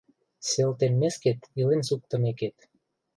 Сел теммескет илен суктымекет...